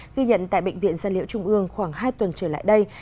ghi nhận tại bệnh viện gia liễu trung ương khoảng hai tuần trở lại đây